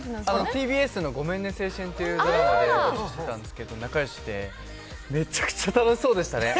ＴＢＳの「ごめんね青春！」というドラマで一緒になったので仲良しで、めちゃくちゃ楽しそうでしたね。